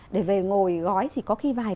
để về ngồi gói chỉ có khi vài